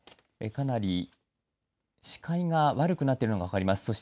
かなり視界が悪くなっているのが分かります。